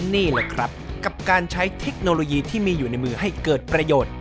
นี่แหละครับกับการใช้เทคโนโลยีที่มีอยู่ในมือให้เกิดประโยชน์